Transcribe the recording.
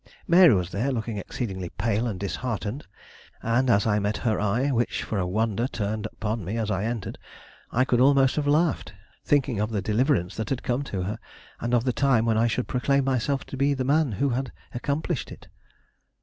Mary was there, looking exceedingly pale and disheartened, and as I met her eye, which for a wonder turned upon me as I entered, I could almost have laughed, thinking of the deliverance that had come to her, and of the time when I should proclaim myself to be the man who had accomplished it.